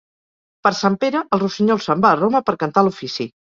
Per Sant Pere, el rossinyol se'n va a Roma per cantar l'ofici.